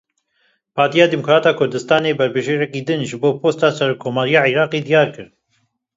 Partiya Demokrata Kurdistanê berbijêrekî din ji bo posta Serokkomariya Iraqê diyar kir.